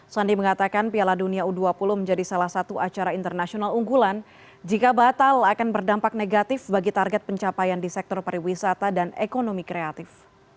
sandi mengatakan piala dunia u dua puluh menjadi salah satu acara internasional unggulan jika batal akan berdampak negatif bagi target pencapaian di sektor pariwisata dan ekonomi kreatif